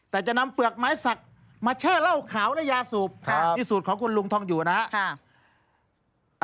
แต่จะนำเปลือกไม้สักมาเช่าเหล้าขาวในยาสูบครับนี่สูตรของคุณลุงทองอยู่นะครับ